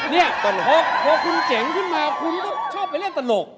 พอคุณเจ๋งขึ้นมาคุณก็ชอบไปเล่นตลก